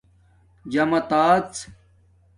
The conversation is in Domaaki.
جمآتژ